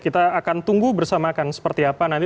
kita akan tunggu bersama akan seperti apa nanti